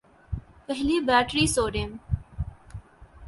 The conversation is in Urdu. پہلے بیٹری سوڈیم